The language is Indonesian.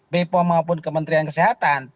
bepom maupun kementerian kesehatan